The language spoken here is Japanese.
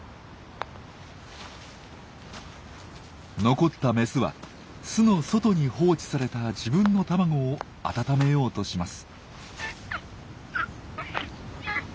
残ったメスは巣の外に放置された自分の卵を温めようとします。